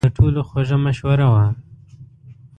مړه د ټولو خوږه مشوره وه